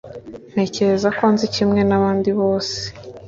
Ntekereza ko nzi kimwe nabandi bose.